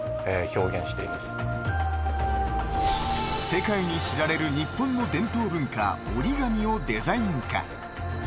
［世界に知られる日本の伝統文化折り紙をデザイン化］